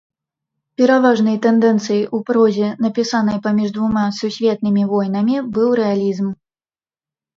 Пераважнай тэндэнцыяй у прозе, напісанай паміж двума сусветнымі войнамі быў рэалізм.